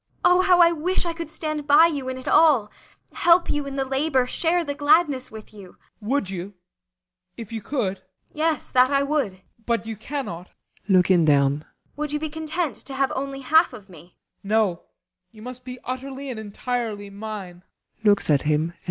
] Oh, how I wish I could stand by you in it all! Help you in the labour share the gladness with you BORGHEIM. Would you if you could? ASTA. Yes, that I would. BORGHEIM. But you cannot? ASTA. [Looking down.] Would you be content to have only half of me? BORGHEIM. No. You must be utterly and entirely mine.